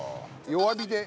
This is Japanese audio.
弱火で。